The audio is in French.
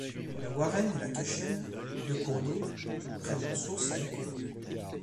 La Warrenne et la Cachaine, deux cours d'eau, prennent leur source à Écault.